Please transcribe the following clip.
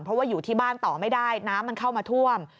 เพราะว่าอยู่ที่บ้านต่อไม่ได้น้ำมันเข้ามาท่วม